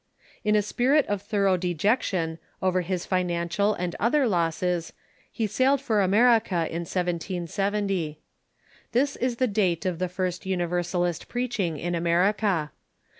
In a spirit of thorough dejection over his financial and other losses he sailed for America in 1770. This is the date of the first Universalist preaching in America.